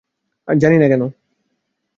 জানি না কেন!